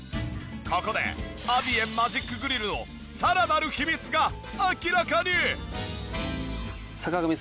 ここでアビエンマジックグリルのさらなる秘密が明らかに！